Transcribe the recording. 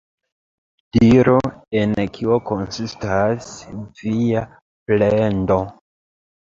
Diru, en kio konsistas via plendo?